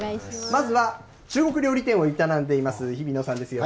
まずは中国料理店を営んでいます、日比野さんです。